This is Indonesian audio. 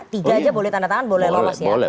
tiga aja boleh tanda tangan boleh lolos ya